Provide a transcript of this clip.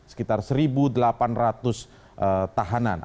sekitar satu delapan ratus tahanan